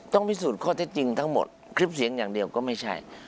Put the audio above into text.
พิสูจน์ข้อเท็จจริงทั้งหมดคลิปเสียงอย่างเดียวก็ไม่ใช่